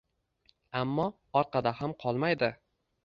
Ammo orqada ham qolmaydi.